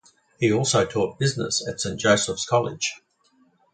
He also taught business at Saint Joseph's College.